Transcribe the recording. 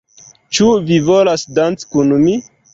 Ĉu vi volas danci kun mi?